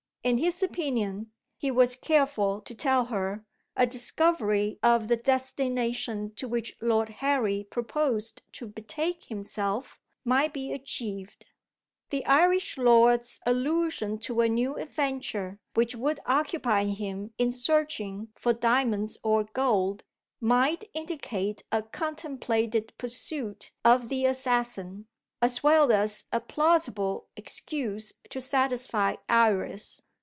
In his opinion, he was careful to tell her, a discovery of the destination to which Lord Harry proposed to betake himself, might be achieved. The Irish lord's allusion to a new adventure, which would occupy him in searching for diamonds or gold, might indicate a contemplated pursuit of the assassin, as well as a plausible excuse to satisfy Iris.